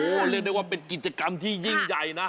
เรียกได้ว่าเป็นกิจกรรมที่ยิ่งใหญ่นะ